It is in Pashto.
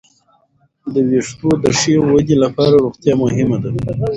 د وېښتو د ښې ودې لپاره روغتیا مهمه ده.